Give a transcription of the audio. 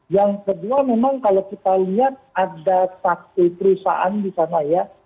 yang kedua memang kalau kita lihat ada satu perusahaan di sana ya